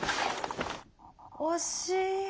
惜しい。